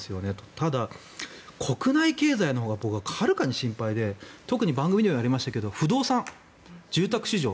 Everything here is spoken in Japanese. ただ、国内経済のほうが僕ははるかに心配で特に番組でもやりましたけど不動産、住宅市場。